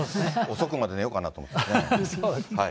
遅くまで寝ようかなと思ってね。